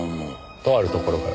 とあるところから。